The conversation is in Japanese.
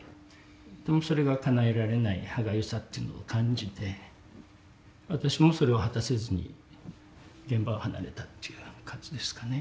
でもそれがかなえられない歯がゆさっていうのを感じて私もそれを果たせずに現場を離れたっていう感じですかね。